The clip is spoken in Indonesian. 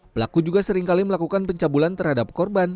pelaku juga seringkali melakukan pencabulan terhadap korban